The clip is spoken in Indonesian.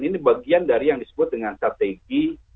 ini bagian dari yang disebut dengan strategi